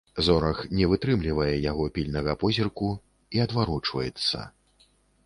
Зорах не вытрымлівае яго пільнага позірку і адварочваецца.